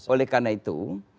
oleh karena itu